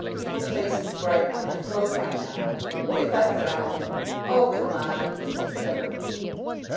People's faces brighten when I throw them a nod. If I frown " "Oh, come on," said Trevor.